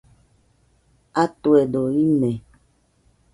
Atuedo ine